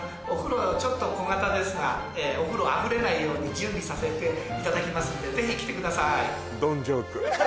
お風呂ちょっと小型ですがお風呂あふれないように準備させていただきますんでぜひ来てください